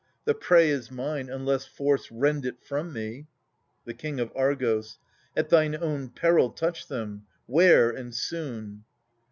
The prey is mine, unless force rend it from me. The King of Argos. At thine own peril touch them — 'ware, and soon